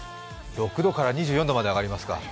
６度から２４度まで上がりますか。